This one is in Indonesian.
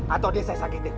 atau dia saya sakiti